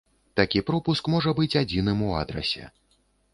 Такі пропуск можа быць адзіным у адрасе.